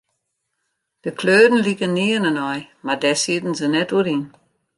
De kleuren liken nearne nei, mar dêr sieten se net oer yn.